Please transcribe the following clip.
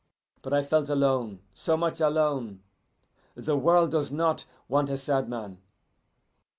But I felt alone so much alone. The world does not want a sad man.